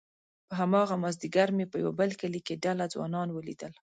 په هماغه مازيګر مې په يوه بل کلي کې ډله ځوانان وليدل،